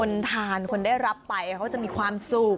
คนทานคนได้รับไปเขาจะมีความสุข